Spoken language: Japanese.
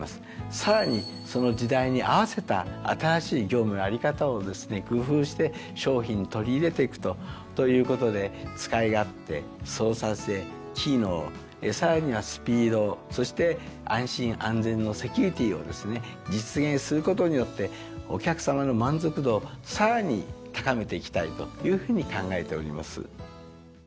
さらにその時代に合わせた新しい業務の在り方をですね工夫して商品に取り入れていくということで使い勝手操作性機能さらにはスピードそして安心安全のセキュリティーをですね実現することによってお客さまの満足度をさらに高めていきたいというふうに考えております。